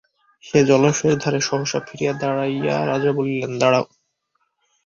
সেই জলাশয়ের ধারে সহসা ফিরিয়া দাঁড়াইয়া রাজা বলিলেন, দাঁড়াও!